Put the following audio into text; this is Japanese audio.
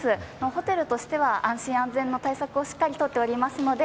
ホテルとしては安心・安全の対策をしっかりとっておりますので